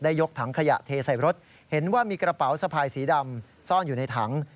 ยกถังขยะเทใส่รถเห็นว่ามีกระเป๋าสะพายสีดำซ่อนอยู่ในถัง